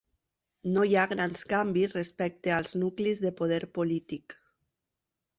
No hi ha grans canvis respecte als nuclis de poder polític.